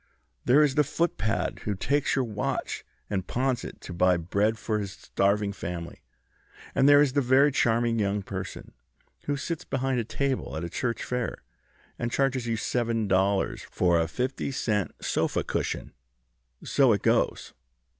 There is the footpad who takes your watch, and pawns it to buy bread for his starving family, and there is the very charming young person who sits behind a table at a church fair, and charges you seven dollars for a fifty cent sofa cushion. So it goes.